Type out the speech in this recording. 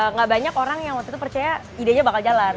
nggak banyak orang yang waktu itu percaya idenya bakal jalan